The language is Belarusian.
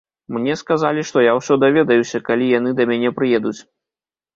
Мне сказалі, што я ўсё даведаюся, калі яны да мяне прыедуць.